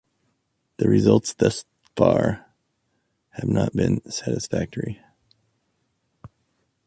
The results thus far have not been satisfactory.